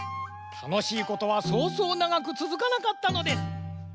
たのしいことはそうそうながくつづかなかったのです。